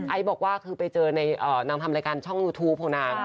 บอกว่าคือไปเจอในนางทำรายการช่องยูทูปของนาง